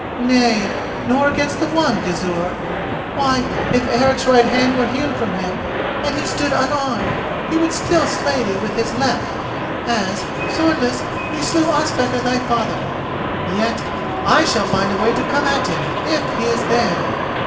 "Nay, nor against the one, Gizur. Why, if Eric's right hand were hewn from him, and he stood unarmed, he would still slay thee with his left, as, swordless, he slew Ospakar thy father. Yet I shall find a way to come at him, if he is there."